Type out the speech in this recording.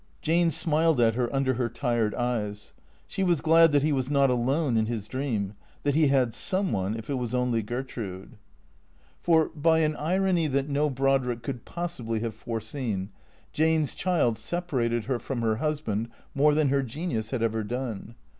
Jane smiled at her under her tired eyes. She was glad that he was not alone in his dream, that he had some one, if it was only Gertrude. 406 THE CREATORS For, by an irony that no Brodrick could possibly have fore seen, Jane's child separated her from her husband more than her genius had ever done.